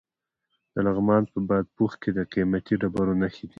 د لغمان په بادپخ کې د قیمتي ډبرو نښې دي.